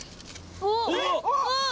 おっ！